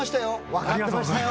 わかってましたよ